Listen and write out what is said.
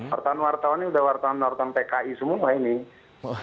wartawan wartawan ini udah wartawan wartawan pki semua ini